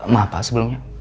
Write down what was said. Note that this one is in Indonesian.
maaf pak sebelumnya